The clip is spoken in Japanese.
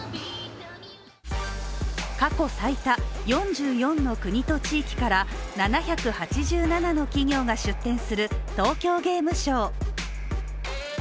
過去最多４４の国と地域から７８７の企業が出展する東京ゲームショウ。